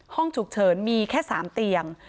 ห้องฉุกเฉินมีแค่๓เตียง